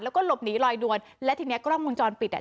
แล้วก็หลบหนีลอยนวลและทีเนี้ยกล้องมุมจรปิดอ่ะ